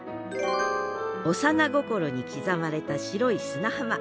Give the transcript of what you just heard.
幼心に刻まれた白い砂浜。